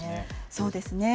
そうですね。